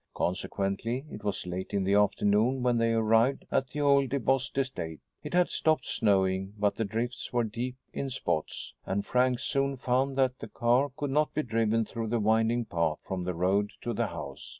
Consequently, it was late in the afternoon when they arrived at the old DeBost estate. It had stopped snowing, but the drifts were deep in spots, and Frank soon found that the car could not be driven through the winding path from the road to the house.